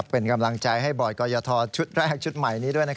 เป็นกำลังใจให้บ่อยกรยทชุดแรกชุดใหม่นี้ด้วย